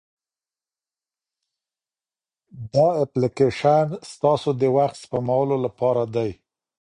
دا اپلیکیشن ستاسو د وخت سپمولو لپاره دی.